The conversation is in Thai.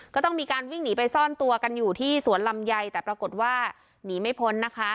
ก็ต้องมีการวิ่งหนีไปซ่อนตัวกันอยู่ที่สวนลำไยแต่ปรากฏว่าหนีไม่พ้นนะคะ